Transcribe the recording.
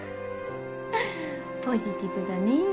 ポジティブだね。